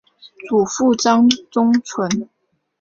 祖父张宗纯。